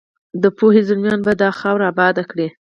د پوهې زلمیان به دا خاوره اباده کړي.